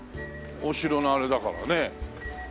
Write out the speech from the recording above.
お城のあれだからね。